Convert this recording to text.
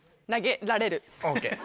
ＯＫ。